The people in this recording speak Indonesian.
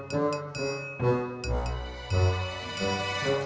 gak salah nih